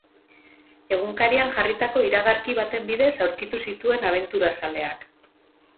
Egunkarian jarritako iragarki baten bidez aurkitu zituen abenturazaleak.